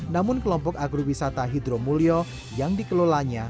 namun kelompok agrowisata hidro mulyo yang dikelolanya